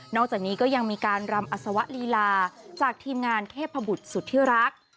อกจากนี้ก็ยังมีการรำอัศวะลีลาจากทีมงานเทพบุตรสุธิรัก